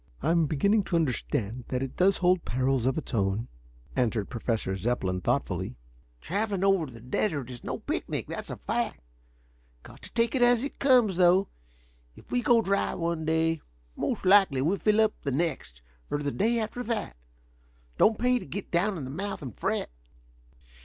"I am beginning to understand that it does hold perils of its own," answered Professor Zepplin, thoughtfully. "Traveling over the desert is no picnic that's a fact. Got to take it as it comes, though. If we go dry one day, most likely we fill up the next, or the day after that. Don't pay to get down in the mouth and fret."